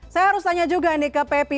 saya harus tanya juga nih ke pepi